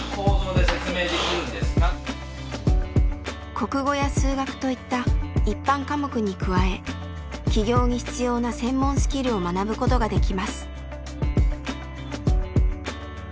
国語や数学といった一般科目に加え起業に必要な専門スキルを学ぶことができます。